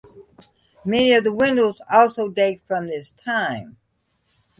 Many of the windows also date from this time.